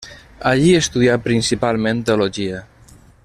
Allí estudià principalment teologia.